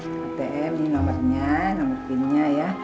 ptm ini nomernya nomer pin nya ya